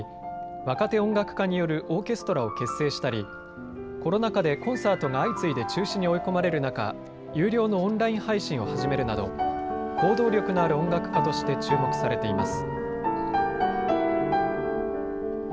若手音楽家によるオーケストラを結成したりコロナ禍でコンサートが相次いで中止に追い込まれる中、有料のオンライン配信を始めるなど行動力のある音楽家として注目されています。